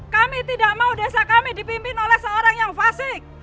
kami tidak mau desa kami dipimpin oleh seorang yang fasik